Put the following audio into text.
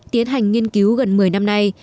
tiến hành nghiên cứu gần một mươi năm nay